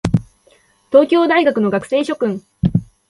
東京大学の学生諸君